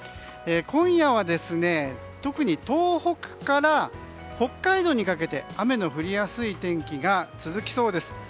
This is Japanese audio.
今夜は特に東北から北海道にかけて雨の降りやすい天気が続きそうです。